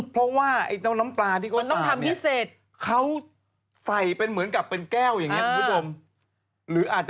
เพราะว่าไอ้เจ้าน้ำปลาที่เขาสั่งเนี่ยเขาใส่เป็นเหมือนกับเป็นแก้วอย่างเงี้ยคุณผู้ชม